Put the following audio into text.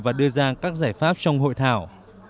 và đưa ra các giải pháp trong hội thảo